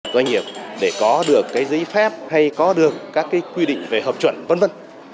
doanh nghiệp để có được cái giấy phép hay có được các cái quy định về hợp chuẩn vân vân